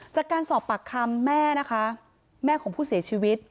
จากการสอบปากคำแม่นะคะแม่ของผู้เสียชีวิต